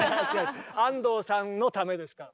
安藤さんのためですから。